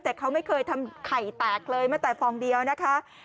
แต่เขาไม่เคยทำไข่แตกเลยแม้แต่ฟองเดียวนะคะ